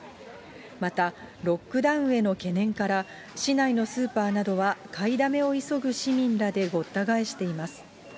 また、ロックダウンへの懸念から、市内のスーパーなどは買いだめを急ぐ市民らでごった返しています。